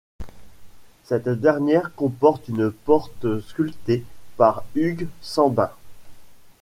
Cette dernière comporte une porte sculptée par Hugues Sambin.